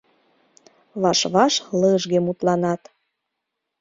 Ваш-ваш лыжге мутланат.